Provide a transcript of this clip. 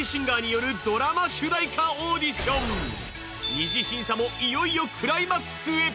二次審査もいよいよクライマックスへ。